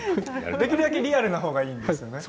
できるだけリアルなほうがいいんですね。